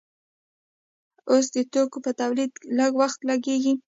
اوس د توکو په تولید لږ وخت لګیږي.